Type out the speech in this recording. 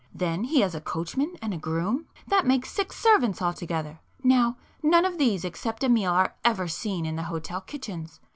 Then he has a coachman and groom. That makes six servants altogether. Now none of these except Amiel are ever seen in the hotel kitchens.